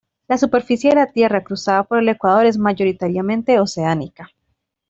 La superficie de la Tierra cruzada por el ecuador es mayoritariamente oceánica.